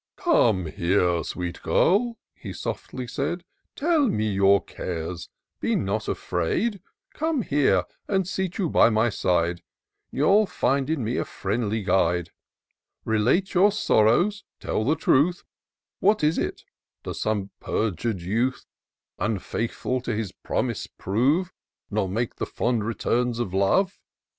" Come here, sweet girl," he softly said ;" Tell me your cares — nor be afraid : Come here, and seat you by my side ; You'll find in me a friendly guide. Relate your sorrows, — tell the truth ; What is it ? does some perjur'd youth 206 TOUR OF DOCTOR SYNTAX Unfaithfiil to his promise prove, Nor make the fond return of love